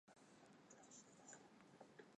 讲述林俊杰一起在巴黎发生的浪漫爱情故事。